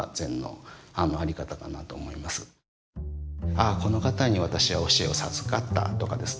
「ああこの方に私は教えを授かった」とかですね